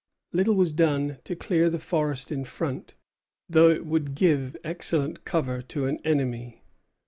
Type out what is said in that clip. Little was done to clear the forest in front, though it would give excellent cover to an enemy.